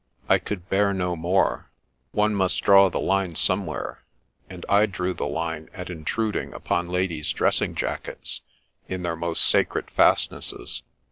I could bear no more. One must draw the line somewhere, and I drew the line at intruding upon ladies' dressing jackets in their most sacred fast nesses.